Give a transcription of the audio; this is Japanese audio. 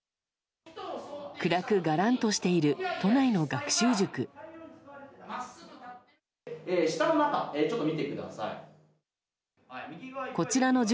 暗く、がらんとしている都内の学習塾。